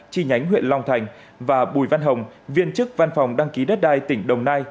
chi nhánh huyện long thành và bùi văn hồng viên chức văn phòng đăng ký đất đai tỉnh đồng nai